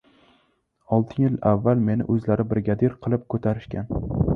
Olti yil avval meni o‘zlari brigadir qilib «ko‘tarishgan».